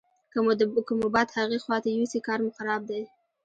که مو باد هغې خواته یوسي کار مو خراب دی.